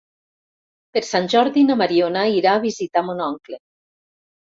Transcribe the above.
Per Sant Jordi na Mariona irà a visitar mon oncle.